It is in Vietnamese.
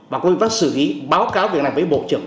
và ubnd phúc thọ xử lý báo cáo việc này với bộ trưởng